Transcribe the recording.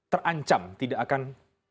terancam tidak akan